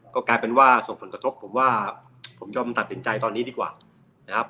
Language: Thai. ก็กลายเป็นว่าส่งผลกระทบผมว่าผมยอมตัดสินใจตอนนี้ดีกว่านะครับ